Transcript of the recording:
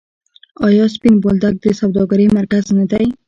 آیا سپین بولدک د سوداګرۍ مرکز دی؟